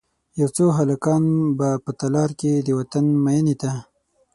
یو څو هلکان به په تالار کې، د وطن میینې ته،